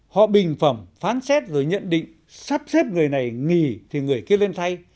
họ bình phẩm phán xét rồi nhận định sắp xếp người này nghỉ thì người kia lên thay